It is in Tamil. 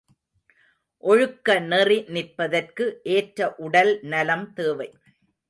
ஒழுக்க நெறி நிற்பதற்கு ஏற்ற உடல் நலம் தேவை.